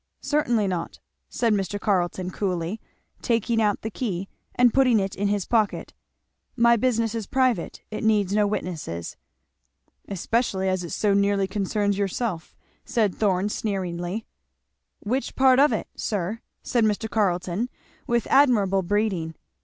"Certainly not," said Mr. Carleton coolly, taking out the key and putting it in his pocket; "my business is private it needs no witnesses." "Especially as it so nearly concerns yourself," said Thorn sneeringly. "Which part of it, sir?" said Mr. Carleton with admirable breeding.